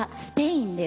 スペイン。